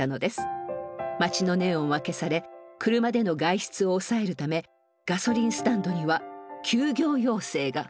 街のネオンは消され車での外出を抑えるためガソリンスタンドには休業要請が。